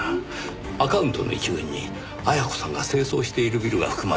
アカウントの一群に絢子さんが清掃しているビルが含まれています。